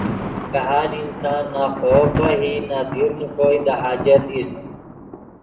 کاہال انسان نہ خو بہہ ای نہ دیر نے کوئے دے حاجت ایست